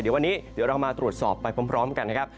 เดี๋ยววันนี้เดี๋ยวเรามาตรวจสอบไปพร้อมกันนะครับ